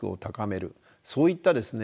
そういったですね